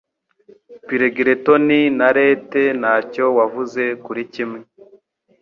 Phlegreton na Lethe Ntacyo wavuze kuri kimwe